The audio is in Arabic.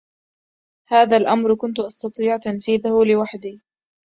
هذا الامر كنت أستطيع تنفيذه لوحدي.